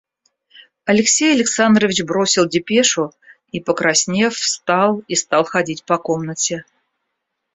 Алексей Александрович бросил депешу и, покраснев, встал и стал ходить по комнате.